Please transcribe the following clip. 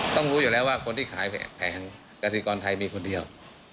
รู้อยู่แล้วว่าคนที่ขายแผงกษิกรไทยมีคนเดียว